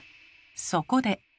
そこで。